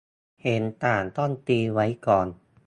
- เห็นต่างต้องตีไว้ก่อน